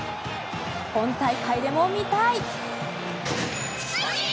本大会でも見たい！